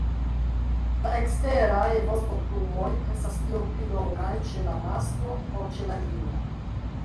La eksteraj vostoplumoj estas iom pli longaj ĉe la masklo ol ĉe la ino.